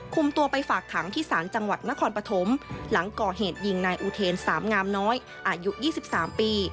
คุมตัวไปฝากขังที่ศาลจังหวัดนครปฐมหลังก่อเหตุยิงนายอุเทนสามงามน้อยอายุ๒๓ปี